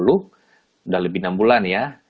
sudah lebih enam bulan ya